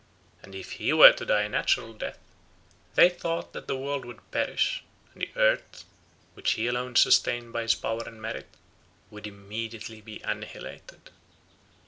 And if he were to die a natural death, they thought that the world would perish, and the earth, which he alone sustained by his power and merit, would immediately be annihilated.